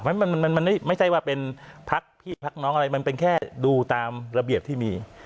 มันมันไม่ใช่ว่าเป็นพักพี่พักน้องอะไรมันเป็นแค่ดูตามระเบียบที่มี